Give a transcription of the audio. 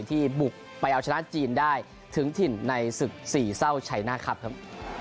ที่บุกไปเอาชนะจีนได้ถึงถิ่นในศึกสี่เศร้าชัยหน้าครับครับ